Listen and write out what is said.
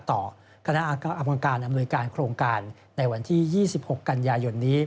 ต่อคณะกรรมการอำนวยการโครงการในวันที่๒๖กันยายนนี้